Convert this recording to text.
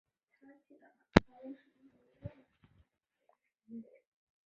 这引致后来伊阿宋乘阿格号之历险。